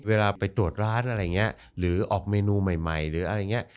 เวลาไปตรวจร้านอะไรเงี้ยหรือออกเมนูใหม่หรืออะไรเงี้ย